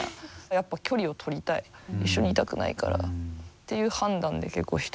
やっぱ距離を取りたい一緒にいたくないからっていう判断で結構人を見てるかもしれないですね。